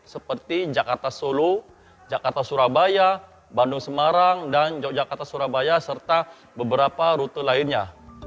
seperti jakarta solo jakarta surabaya bandung semarang dan yogyakarta surabaya serta beberapa rute lainnya